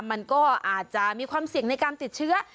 มันก็อาจจะมีความเสี่ยงในการติดเชื้อ